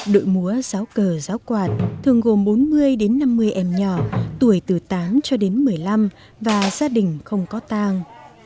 đội múa giáo cờ giáo quạt thường gồm bốn mươi đến năm mươi em nhỏ tuổi từ tám cho đến một mươi năm và gia đình không có tang